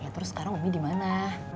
terus sekarang umi dimana